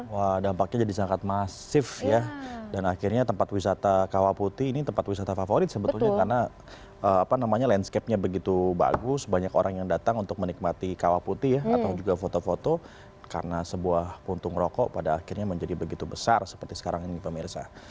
wah dampaknya jadi sangat masif ya dan akhirnya tempat wisata kawah putih ini tempat wisata favorit sebetulnya karena landscape nya begitu bagus banyak orang yang datang untuk menikmati kawah putih ya atau juga foto foto karena sebuah puntung rokok pada akhirnya menjadi begitu besar seperti sekarang ini pemirsa